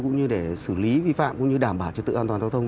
cũng như để xử lý vi phạm cũng như đảm bảo trật tự an toàn giao thông